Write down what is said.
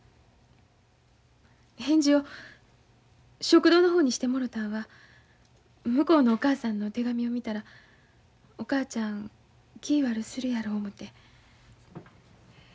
返事を食堂の方にしてもろたんは向こうのお母さんの手紙を見たらお母ちゃん気ぃ悪うするやろ思て。